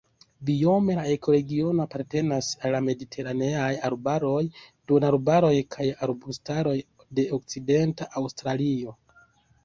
Biome la ekoregiono apartenas al la mediteraneaj arbaroj, duonarbaroj kaj arbustaroj de Okcidenta Aŭstralio.